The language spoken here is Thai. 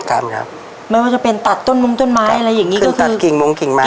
ท่านครับไม่ว่าจะเป็นตัดต้นมงต้นไม้อะไรอย่างงี้คือตัดกิ่งมงกิ่งไม้